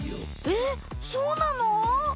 えそうなの？